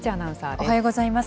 おはようございます。